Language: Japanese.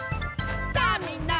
「さあみんな！